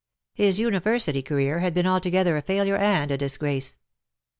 His University career had been altogether a failure and a disgrace.